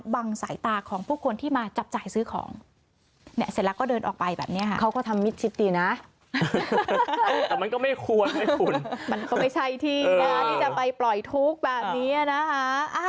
มันก็ไม่ใช่ที่จะไปปล่อยทุกข์แบบนี้นะคะ